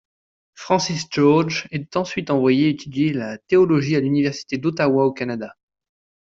Francis George est ensuite envoyé étudier la théologie à l'Université d'Ottawa au Canada.